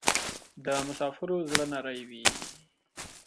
د مسافرو زړه نری وی